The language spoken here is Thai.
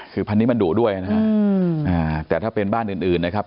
คือพันนี้มันโดด้วยนะฮะอืมอ่าแต่ถ้าเป็นบ้านอื่นอื่นนะครับ